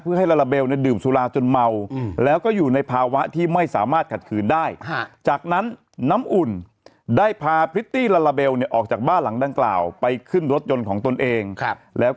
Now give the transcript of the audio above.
เพื่อให้ลาลาเบลดื่มสุราจนเมา